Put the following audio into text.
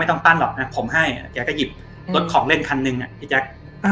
ต้องปั้นหรอกนะผมให้แกก็หยิบรถของเล่นคันหนึ่งอ่ะพี่แจ๊ค